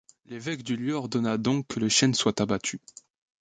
L'évêque du lieu ordonna donc que le chêne soit abattu.